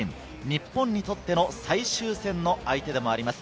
日本にとっての最終戦の相手でもあります。